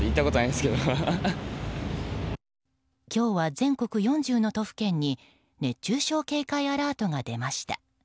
今日は全国４０の都府県に熱中症警戒アラートが出ました。